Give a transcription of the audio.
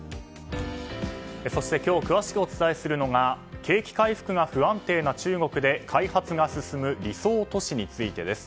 そして今日詳しくお伝えするのが景気回復が不安定な中国で開発が進む理想都市についてです。